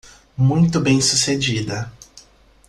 Muito bem sucedida.